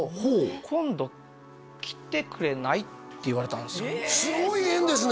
「今度来てくれない？」って言われたんすよすごい縁ですね